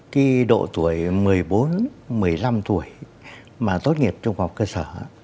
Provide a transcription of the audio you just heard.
cái độ tuổi một mươi bốn một mươi năm tuổi mà tốt nghiệp trung học cơ sở